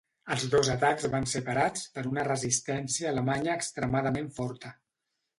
Els dos atacs van ser parats per una resistència alemanya extremadament forta.